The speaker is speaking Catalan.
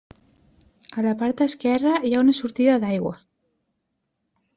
A la part esquerra, hi ha una sortida d'aigua.